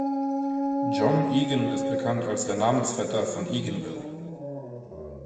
John Egan ist bekannt als der Namensvetter von Eganville.